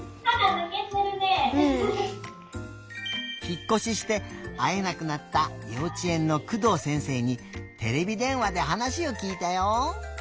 うん。ひっこししてあえなくなったようちえんの工藤先生にテレビでんわではなしをきいたよ！